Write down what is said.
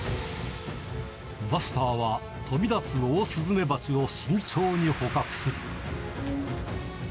バスターは、飛び出すオオスズメバチを慎重に捕獲する。